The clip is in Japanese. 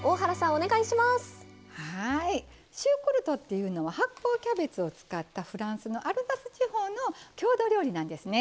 はいシュークルートっていうのは発酵キャベツを使ったフランスのアルザス地方の郷土料理なんですね。